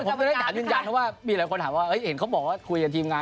ผมจะได้ถามยืนยันเพราะว่ามีหลายคนถามว่าเห็นเขาบอกว่าคุยกับทีมงาน